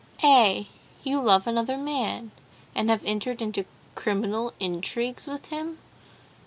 "'Eh, you love another man, and have entered into criminal intrigues with him?